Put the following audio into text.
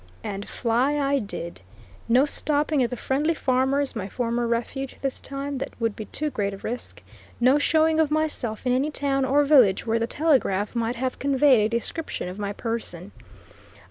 And fly I did. No stopping at the friendly farmer's, my former refuge, this time; that would be too great a risk. No showing of myself in any town or village where the telegraph might have conveyed a description of my person.